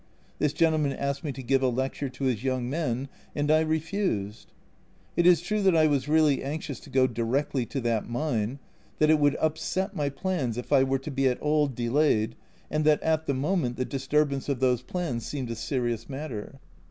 This gentleman asked me to give a lecture to his young men, and I refused. It is true that I was really anxious to go directly to that mine, that it would upset my plans if I were to be at all delayed, and that at the moment the disturbance of those plans seemed a serious matter.